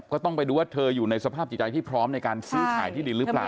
ก็ต้องไปดูว่าเธออยู่ในสภาพจิตใจที่พร้อมในการซื้อขายที่ดินหรือเปล่า